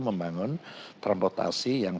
membangun transportasi yang